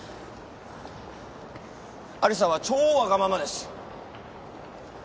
有沙は超わがままです。